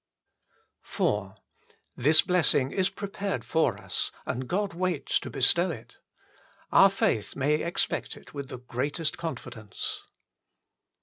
4. This blessing is prepared for us and God waits to bestow it. Our faith may expect it with the greatest confidence.